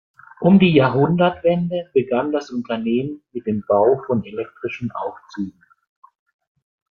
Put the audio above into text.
Um die Jahrhundertwende begann das Unternehmen mit dem Bau von elektrischen Aufzügen.